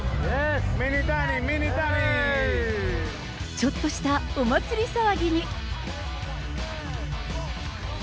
ちょっとしたお祭り騒ぎに。